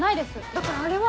だからあれは。